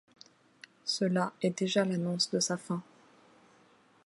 Cela est déjà l'annonce de sa fin.